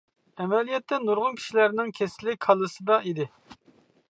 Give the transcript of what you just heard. ئەمەلىيەتتە نۇرغۇن كىشىلەرنىڭ كېسىلى كاللىسىدا ئىدى.